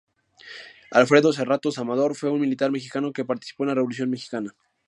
Alfredo Serratos Amador fue un militar mexicano que participó en la Revolución mexicana.